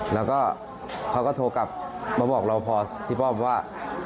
แล้วก็เขาก็โทรกลับมาบอกเราพอพี่ป้อมว่า